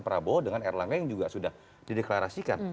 prabowo dengan erlangga yang juga sudah di deklarasi